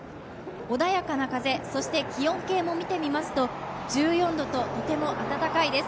穏やかな風、そして気温計も見てみますと１４度ととても暖かいです。